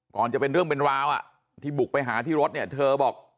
จะเป็นเรื่องเป็นราวที่บุกไปหาที่รถเนี่ยเธอบอก